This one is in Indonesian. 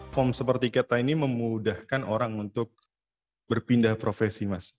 form seperti kita ini memudahkan orang untuk berpindah profesi mas